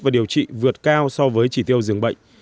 và điều trị vượt cao so với trị tiêu dường bệnh